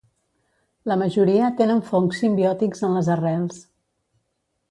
La majoria tenen fongs simbiòtics en les arrels.